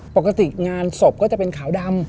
ปกติงานศพก็จะเป็นขาวดำ